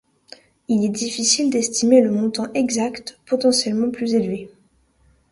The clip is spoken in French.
Il est difficile d'estimer le montant exact, potentiellement plus élevé.